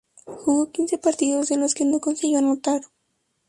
Jugó quince partidos, en los que no consiguió anotar.